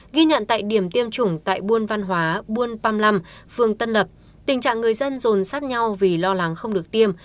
ghi nhận tại điểm tiêm chủng tại buôn văn hóa buôn păm lâm phường tân lập tình trạng người dân rồn sát nhau vì lo lắng không được tiêm